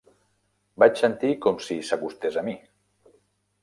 Vaig sentir com si s'acostés a mi.